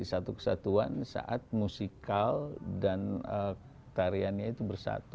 satu kesatuan saat musikal dan tariannya itu bersatu